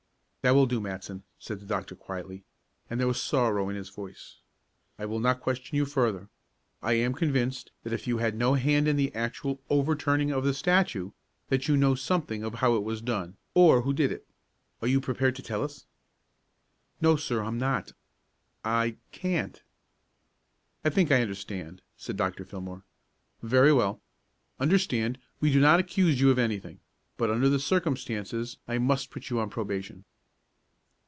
"That will do, Matson," said the doctor quietly, and there was sorrow in his voice. "I will not question you further. I am convinced that if you had no hand in the actual overturning of the statue, that you know something of how it was done, or who did it. Are you prepared to tell us?" "No, sir, I am not. I can't." "I think I understand," said Dr. Fillmore. "Very well. Understand, we do not accuse you of anything, but under the circumstances I must put you on probation."